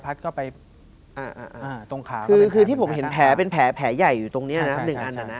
แผลกล้างปลาตรงไหนสง